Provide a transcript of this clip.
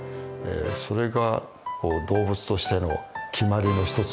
それが動物としての決まりの一つじゃないかな。